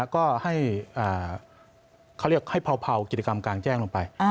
ก็ให้เขาเรียกให้เผากิจกรรมกลางแจ้งลงไป